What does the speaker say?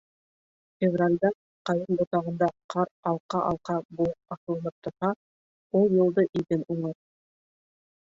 Февралдә ҡайын ботағында ҡар алҡа-алҡа булып аҫылынып торһа, ул йылды иген уңыр.